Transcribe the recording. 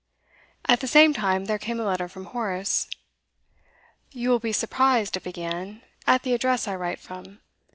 At the same time there came a letter from Horace. 'You will be surprised,' it began, 'at the address I write from.